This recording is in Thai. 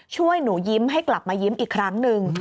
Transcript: ช่วยหนูยิ้มให้กลับมายิ้มอีกครั้งหนึ่ง